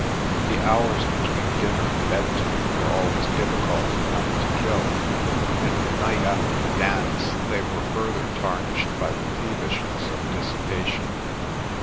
The hours between dinner and bedtime were always difficult enough to kill, and the night after the dance they were further tarnished by the peevishness of dissipation.